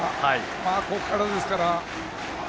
ここからですから。